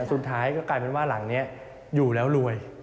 สุดท้ายก็กลายเป็นว่าหลังนี้อยู่แล้วรวย